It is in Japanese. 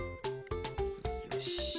よし。